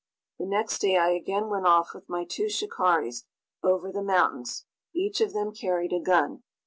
The next day I again went off with my two shikaris over the mountains. Each of them carried a gun.